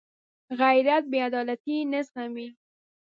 غیرت بېعدالتي نه زغمي